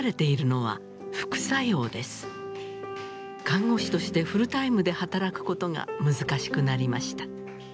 看護師としてフルタイムで働くことが難しくなりました。